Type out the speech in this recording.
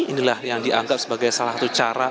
inilah yang dianggap sebagai salah satu cara